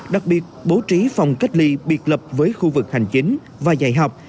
đặc biệt bố trí phòng cách ly biệt lập với khu vực hành chính và dạy học